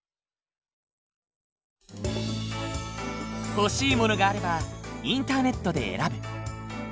欲しいものがあればインターネットで選ぶ。